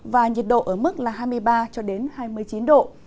và nhiệt độ ở mức là hai mươi ba hai mươi chín độ